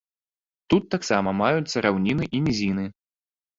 Тут таксама маюцца раўніны і нізіны.